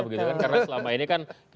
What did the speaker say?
karena selama ini kan